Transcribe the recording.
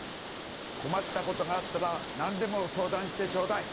困ったことがあったら何でも相談してちょうだい。